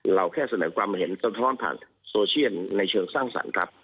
แค่เสนอความเห็นสะท้อนผ่านโซเชียลในเชิงสร้างสรรค์ครับ